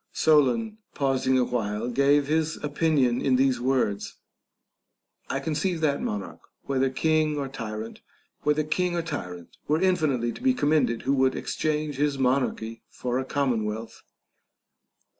Solon, pausing awhile, gave his opinion in these words . I conceive that monarch, whether king or tyrant, were in finitely to be commended, who would exchange his monarchy for a commonwealth.